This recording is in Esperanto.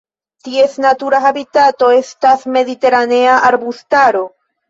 Ties natura habitato estas mediteranea arbustaro.